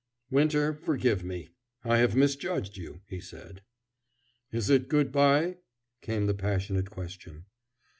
"Winter, forgive me, I have misjudged you," he said. "Is it good by?" came the passionate question.